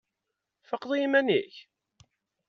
Tfaqeḍ i yiman-ik?